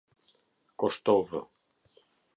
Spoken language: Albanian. Koshtovë